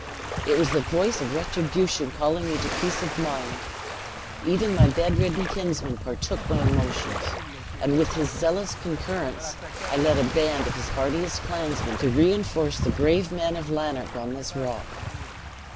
It was the voice of retribution, calling me to peace of mind! Even my bedridden kinsman partook my emotions; and with his zealous concurrence, I led a band of his hardiest clansmen, to reinforce the brave men of Lanark on this rock.